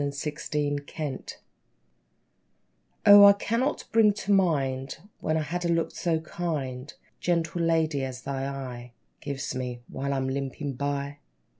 =The Lame House= O, I cannot bring to mind When I've had a look so kind, Gentle lady, as thine eye Gives me, while I'm limping by!